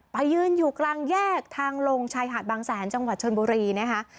ยืนอยู่กลางแยกทางลงชายหาดบางแสนจังหวัดชนบุรีนะคะ